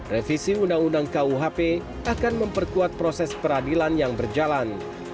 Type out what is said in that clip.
revisi undang undang kuhp akan memperkuat proses peradilan yang berjalan